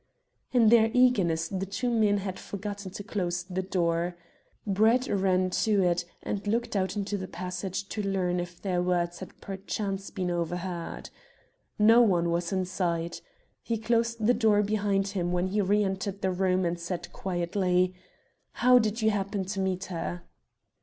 In their eagerness the two men had forgotten to close the door. Brett ran to it, and looked out into the passage to learn if their words had perchance been overheard. No one was in sight. He closed the door behind him when he re entered the room, and said quietly "How did you happen to meet her?"